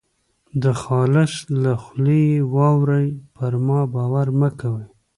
د خالص له خولې یې واورۍ پر ما باور مه کوئ.